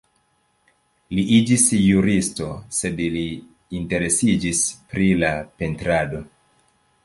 Li iĝis juristo, sed li interesiĝis pri la pentrado.